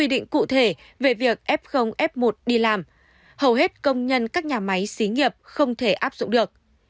tại vì việc f f một đi làm hầu hết công nhân các nhà máy xí nghiệp không thể áp dụng được